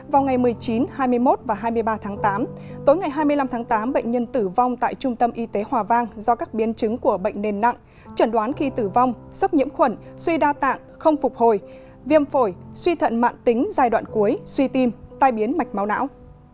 vào ngày một mươi chín hai mươi một và hai mươi ba tháng tám tối ngày hai mươi năm tháng tám bệnh nhân tử vong tại trung tâm y tế hòa vang do các biến chứng của bệnh nền nặng trần đoán khi tử vong sốc nhiễm khuẩn suy đa tạng không phục hồi viêm phổi suy thận mạng tính giai đoạn cuối suy tim tai biến mạch máu não